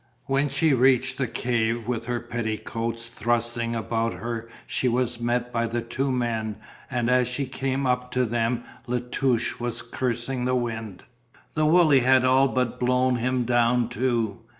When she reached the cave with her petticoats thrusting about her she was met by the two men and as she came up to them La Touche was cursing the wind. The Wooley had all but blown him down too.